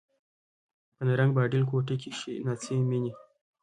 په نرنګ، باډېل کوټکي کښي ناڅي میني